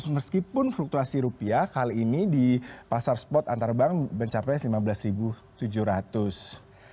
meskipun fluktuasi rupiah kali ini di pasar spot antar bank mencapai lima belas tujuh ratus